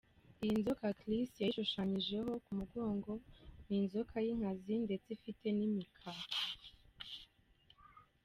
Iyi nzoka Chris yishushanyijeho ku mugongo, ni inzoka y’inkazi ndetse ifite n’imikaka.